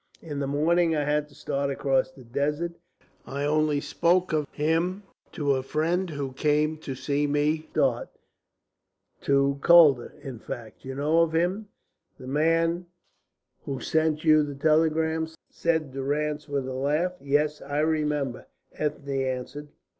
In the morning I had to start across the desert. I almost spoke of him to a friend who came to see me start, to Calder, in fact you know of him the man who sent you the telegram," said Durrance, with a laugh. "Yes, I remember," Ethne answered.